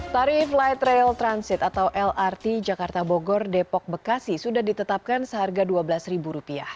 tarif light rail transit atau lrt jakarta bogor depok bekasi sudah ditetapkan seharga rp dua belas